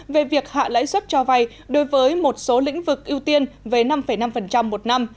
về việc hạ lãi suất cho vay đối với một số lĩnh vực ưu tiên về năm năm một năm